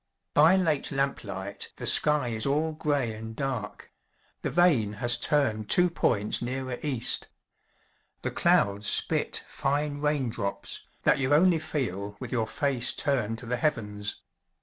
By late lamp light the sky is all gray and dark; the vane has turned two points nearer east. The clouds spit fine rain drops, that you only feel with your face turned to the heavens.